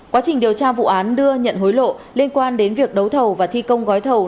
quá trình điều tra vụ án đưa nhận hối lộ liên quan đến việc đấu thầu và thi công gói thầu